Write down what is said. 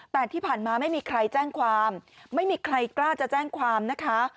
แต่ที่ผ่านมาไม่มีใครแจ้งความไม่มีใครกล้าจะแจ้งความนะคะ